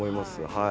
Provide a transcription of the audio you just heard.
はい。